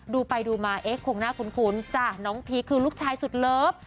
ดูไปดูมาเอ๊ะคงน่าคุ้นจ้ะน้องพีคคือลูกชายสุดเลิฟ